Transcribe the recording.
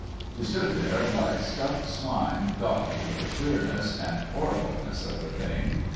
We stood there like stuck swine, dotty with the queerness, the horribleness of the thing.